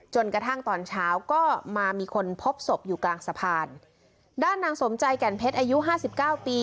จนกระทั่งตอนเช้าก็มามีคนพบศพอยู่กลางสะพานด้านนางสมใจแก่นเพชรอายุห้าสิบเก้าปี